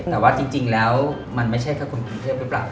แต่ว่าจริงแล้วมันไม่ใช่แค่คนกรุงเทพหรือเปล่า